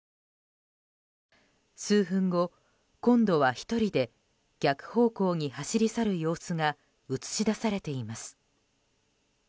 数分後、今度は１人で逆方向に走り去る様子が映し出されています。